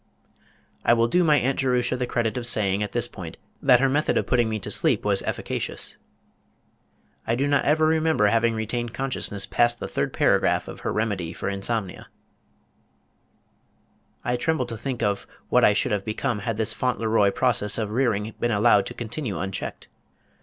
_ I will do my Aunt Jerusha the credit of saying at this point that her method of putting me to sleep was efficacious. I do not ever remember having retained consciousness past the third paragraph of her remedy for insomnia. [Illustration: Aunt Jerusha as a disciplinarian.] I tremble to think of what I should have become had this fauntleroy process of rearing been allowed to continue unchecked.